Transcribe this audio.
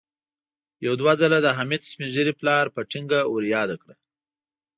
يو دوه ځله د حميد سپين ږيري پلار په ټينګه ور ياده کړه.